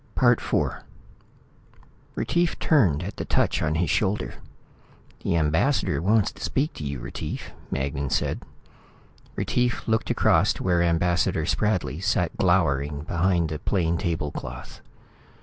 IV Retief turned at the touch on his shoulder. "The Ambassador wants to speak to you, Retief," Magnan said. Retief looked across to where Ambassador Spradley sat glowering behind the plain tablecloth.